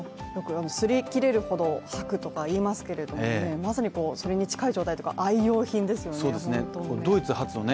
擦り切れるほど履くとかいいますけまさにそれに近い状態というか愛用品ですよね、本当に。